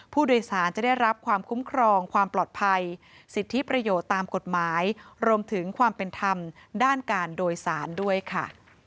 ผู้โดยสารจะได้รับความคุ้มครองความปลอดภัยสิทธิประโยชน์ตามกฎหมายรวมถึงความเป็นธรรมด้านการโดยสารด้วยค่ะ